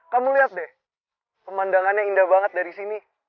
kamu lihat deh pemandangannya indah banget dari sini